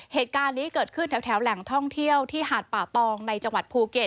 เหตุการณ์นี้เกิดขึ้นแถวแหล่งท่องเที่ยวที่หาดป่าตองในจังหวัดภูเก็ต